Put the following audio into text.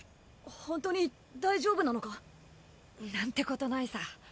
ホントに大丈夫なのか？なんてことないさ。